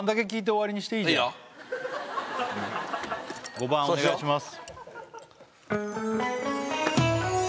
５番お願いします